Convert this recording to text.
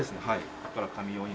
ここから紙を今。